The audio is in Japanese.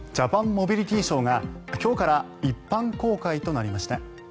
モビリティショーが今日から一般公開となりました。